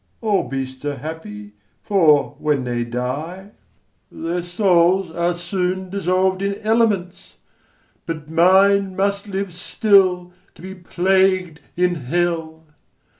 all beasts are happy, For, when they die, Their souls are soon dissolv'd in elements; But mine must live still to be plagu'd in hell.